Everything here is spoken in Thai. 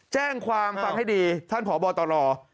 แจ้งความฟังให้ดีท่านผอบตร